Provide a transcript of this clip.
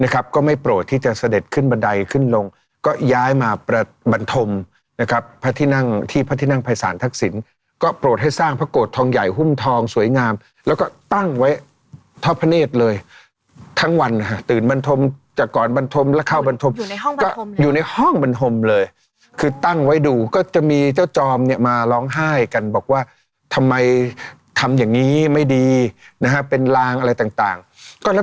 ก็ย้ายมาบันทมนะครับพระที่นั่งที่พระที่นั่งภัยศาลทักษิณภ์ก็โปรดให้สร้างพระโกศทองใหญ่หุ้มทองสวยงามแล้วก็ตั้งไว้ทอดพระเนธเลยทั้งวันตื่นบันทมจากก่อนบันทมแล้วเข้าบันทมอยู่ในห้องบันทมอยู่ในห้องบันทมเลยคือตั้งไว้ดูก็จะมีเจ้าจอมเนี่ยมาร้องไห้กันบอกว่าทำไมทำอย่างนี้ไม่ดีนะเป็นล